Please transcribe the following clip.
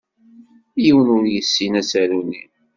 Yiwen ur yessin asaru-nni.